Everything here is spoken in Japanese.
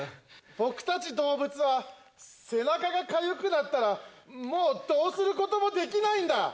僕たち動物は背中がかゆくなったらもうどうすることもできないんだ。